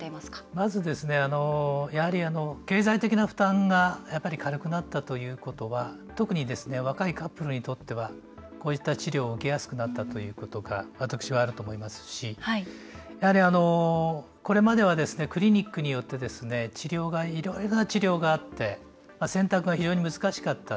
まず、経済的な負担がやっぱり軽くなったということは特に、若いカップルにとってはこういった治療を受けやすくなったということが私はあると思いますしやはり、これまではクリニックによっていろいろな治療があって選択が非常に難しかった。